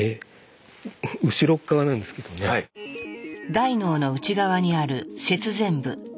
大脳の内側にある「楔前部」。